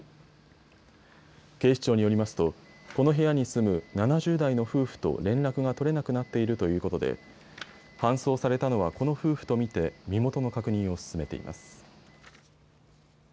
警視庁によりますとこの部屋に住む７０代の夫婦と連絡が取れなくなっているということで搬送されたのはこの夫婦と見て、身元の確認を進めています。